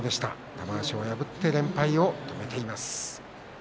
玉鷲を破って連敗を止めています。